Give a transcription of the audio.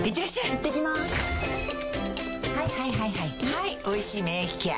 はい「おいしい免疫ケア」